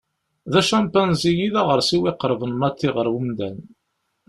D acampanzi i d aɣersiw iqerben maḍi ɣer umdan.